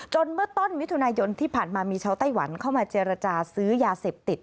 เมื่อต้นมิถุนายนที่ผ่านมามีชาวไต้หวันเข้ามาเจรจาซื้อยาเสพติด